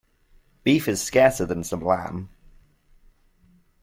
Beef is scarcer than some lamb.